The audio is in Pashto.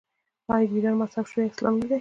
آیا د ایران مذهب شیعه اسلام نه دی؟